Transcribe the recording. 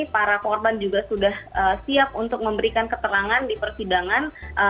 para korban juga sudah siap untuk memberikan keterangan di persidangan